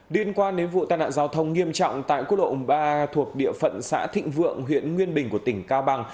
liên quan đến vụ tai nạn giao thông nghiêm trọng tại quốc lộ ba thuộc địa phận xã thịnh vượng huyện nguyên bình của tỉnh cao bằng